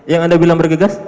yang anda bilang bergegas